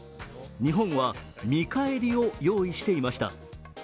日本は見返りを用意していました。